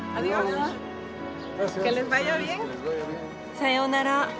さようなら。